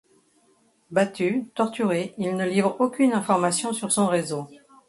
Battu, torturé, il ne livre aucune information sur son réseau.